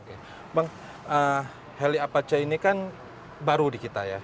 ya bang heli apache ini kan baru di kita ya